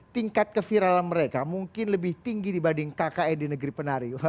tingkat keviralan mereka mungkin lebih tinggi dibanding kke di negeri penari